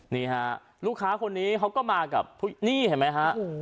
นี่ฮะลูกค้าคนนี้เขาก็มากับนี่เห็นไหมฮะ